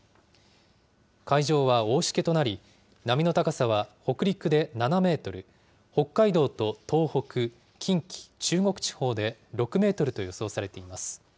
海上は大しけとなり、波の高さは北陸で７メートル、北海道と東北、近畿、中国地方で６メートルと予想されています。